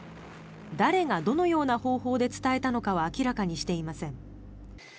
誰がどのような方法で伝えたのかは明らかにしていません。